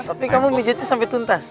tapi kamu mijatnya sampai tuntas